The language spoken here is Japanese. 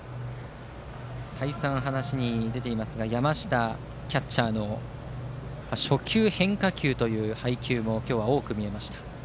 再三、話に出ていますが山下キャッチャーの初球、変化球という配球も今日は多く見られました。